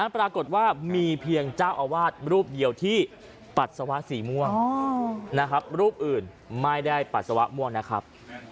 ปรากฏว่ามีเพียงเจ้าอาวาสรูปเดียวที่ปัสสาวะสีม่วงนะครับรูปอื่นไม่ได้ปัสสาวะม่วงนะครับ